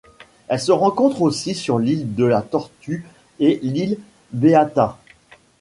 Elle se rencontre aussi sur l'île de la Tortue et l'île Beata.